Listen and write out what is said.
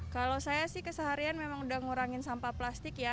kalau saya sih keseharian memang udah ngurangin sampah plastik ya